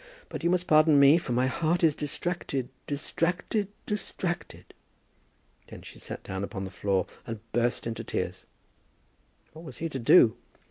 But you must pardon me, for my heart is distracted, distracted, distracted!" Then she sat down upon the floor, and burst into tears. What was he to do?